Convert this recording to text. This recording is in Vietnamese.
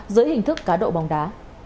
dưới hình thức cá độ bóng đá